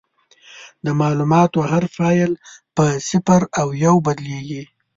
د معلوماتو هر فایل په صفر او یو بدلېږي.